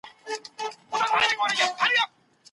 که په کابل کي عامه پوهاوی زیات شي، ترافیکي ستونزې حلېږي.